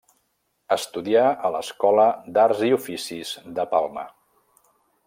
Estudià a l’Escola d'Arts i Oficis de Palma.